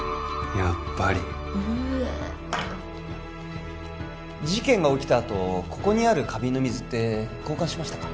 やっぱりウエ事件が起きたあとここにある花瓶の水って交換しましたか？